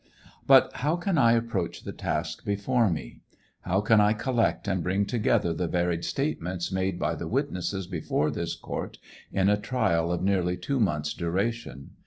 But how can I approach the task before me? How can I collect and bring together the varied statements made by the witnesses before this court in a trial of nearly two months' duration